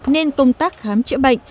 nên công tác khám chữa bệnh